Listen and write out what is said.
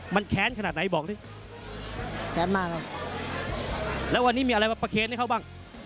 มันแค้นขนาดไหนบอกดิแค้นมากครับแล้ววันนี้มีอะไรมาประเคนให้เขาบ้าง